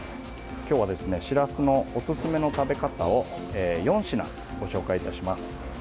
今日は、しらすのおすすめの食べ方を４品ご紹介いたします。